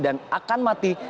dan akan mati